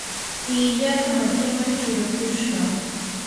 illata makiman churakushaqam.